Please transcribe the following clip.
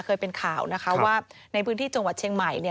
เคยเป็นข่าวนะคะว่าในพื้นที่จังหวัดเชียงใหม่เนี่ย